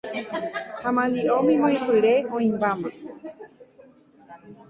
ha amandi'o mimói mbo'ipyre oĩmbáma.